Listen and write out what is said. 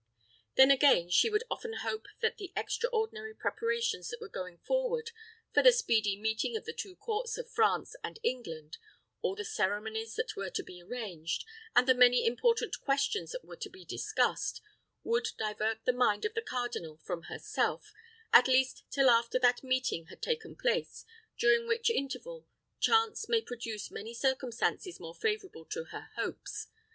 Then, again, she would often hope that the extraordinary preparations that were going forward for the speedy meeting of the two courts of France and England, all the ceremonies that were to be arranged, and the many important questions that were to be discussed, would divert the mind of the cardinal from herself, at least till after that meeting had taken place; during which interval chance might produce many circumstances more favourable to her hopes.